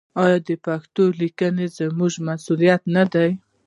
آیا د پښتو لیکل زموږ مسوولیت نه دی؟